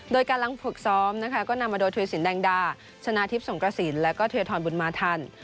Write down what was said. โดยการลงฝึกซ้อมนะคะก็นำมาโดยเทวศิลป์แดงดาชนะทิพย์สงกระศิลป์แล้วก็เทวธรรมบุญมาทัน